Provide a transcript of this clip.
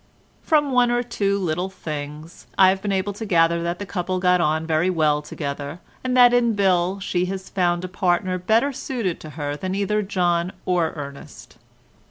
From one or two little things I have been able to gather that the couple got on very well together, and that in Bill she has found a partner better suited to her than either John or Ernest.